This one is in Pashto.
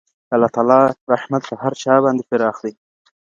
د الله تعالی رحمت په هر چا باندې پراخ دی.